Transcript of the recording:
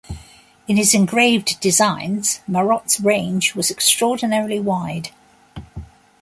In his engraved designs, Marot's range was extraordinarily wide.